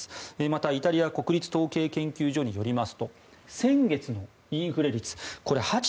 また、イタリア国立統計研究所によりますと先月のインフレ率、８．９％。